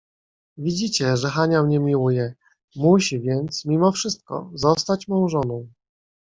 "Widzicie, że Hania mnie miłuje, musi więc, mimo wszystko, zostać mą żoną."